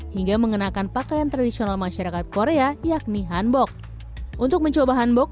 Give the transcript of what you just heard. hingga mengenakan pakaian tradisional masyarakat korea yakni hanbok